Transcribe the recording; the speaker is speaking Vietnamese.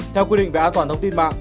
theo quy định về an toàn thông tin mạng